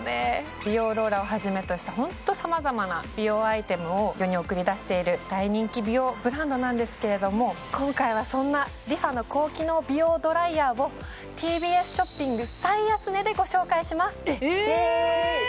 美容ローラーをはじめとしたホントさまざまな美容アイテムを世に送り出している大人気美容ブランドなんですけれども今回はそんなＲｅＦａの高機能美容ドライヤーをＴＢＳショッピング最安値でご紹介します